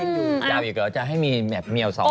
ดูอ้างลาก่อนที่เหลียดก่อนจะให้มีแมวสอง